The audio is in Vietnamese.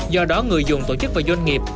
do đó người dùng tổ chức và doanh nghiệp